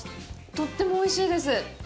とってもおいしいです！